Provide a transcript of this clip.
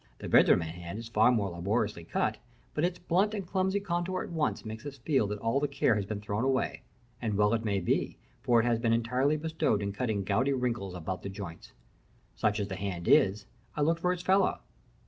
The Vendramin hand is far more laboriously cut, but its blunt and clumsy contour at once makes us feel that all the care has been thrown away, and well it may be, for it has been entirely bestowed in cutting gouty wrinkles about the joints. Such as the hand is, I looked for its fellow.